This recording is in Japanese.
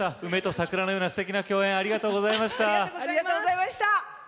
梅と桜のようなすてきな共演ありがとうございました！